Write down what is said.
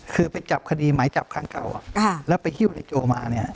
คือไปจับคดีหมายจับครั้งเก่าแล้วไปฮิ้วเหล็กโจมาเนี่ย